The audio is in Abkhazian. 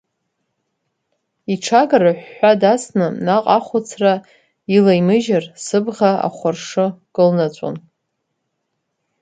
Иҽага рыҳәҳәа дасны наҟ ахәацра илаимыжьыр, сыбӷа ахәаршы кылнаҵәон…